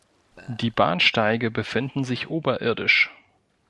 Die Bahnsteige befinden sich oberirdisch.